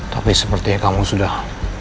tapi sepertinya kamu sudah